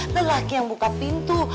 lelaki yang buka pintu